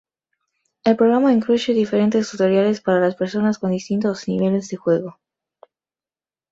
El programa incluye diferentes tutoriales para las personas con distintos niveles de juego.